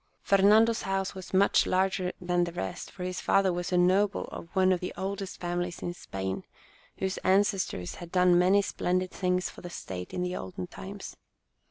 Fernando's house was much larger than the rest, for his father was a noble of one of the oldest families in Spain, whose ancestors had done many splendid things for the state in the olden times.